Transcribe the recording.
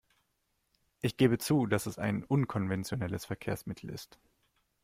Ich gebe zu, dass es ein unkonventionelles Verkehrsmittel ist.